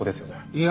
いや。